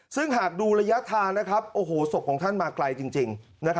ซึ่งหากดูระยะทางศพของท่านมาไกลจริง